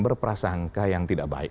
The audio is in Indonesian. berprasangka yang tidak baik